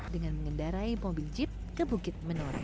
dengan mengendarai mobil jeep ke bukit menore